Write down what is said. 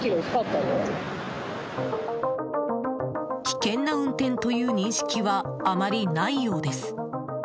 危険な運転という認識はあまりないようです。